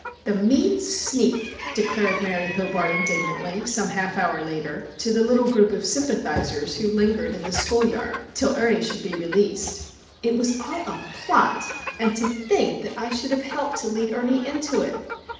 "The mean sneak!" declared Mary Hobart indignantly, some half hour later, to the little group of sympathisers who lingered in the schoolyard till Ernie should be released. "It was all a plot! And to think that I should have helped to lead Ernie into it!